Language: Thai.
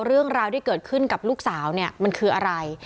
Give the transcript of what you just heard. เรื่องราวที่เกิดขึ้นกับลูกสาวเนี่ยมันคืออะไร